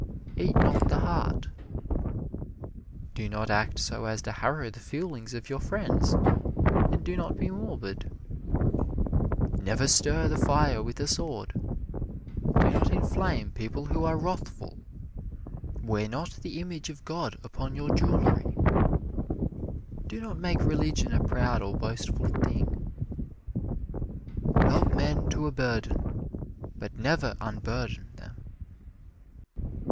"Eat not the heart" do not act so as to harrow the feelings of your friends, and do not be morbid. "Never stir the fire with a sword" do not inflame people who are wrathful. "Wear not the image of God upon your jewelry" do not make religion a proud or boastful thing. "Help men to a burden, but never unburden them."